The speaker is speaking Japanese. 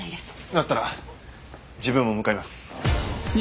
だったら自分も向かいます。